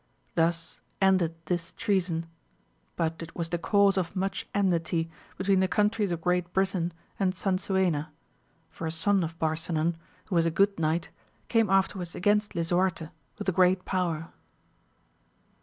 Thus ended this treason, but it was the cause of much enmity between the countries of Great Britain and Sansuena, for a son of Barsinan, who was a good knight, came afterwards against Lisuarte, with a great power.